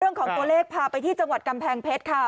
เรื่องของตัวเลขพาไปที่จังหวัดกำแพงเพชรค่ะ